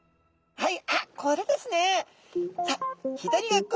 はい。